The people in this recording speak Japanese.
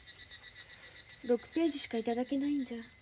６ページしか頂けないんじゃ